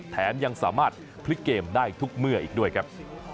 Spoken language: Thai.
แถมยังสามารถพลิกเกมได้ทุกเมื่ออีกด้วยครับ